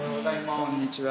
こんにちは。